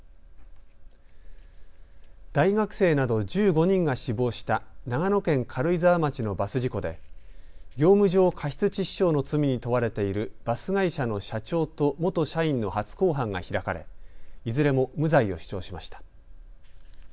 大学生など１５人が死亡した長野県軽井沢町のバス事故で業務上過失致死傷の罪に問われているバス会社の社長と元社員の初公判が開かれいずれも無罪を主張しました。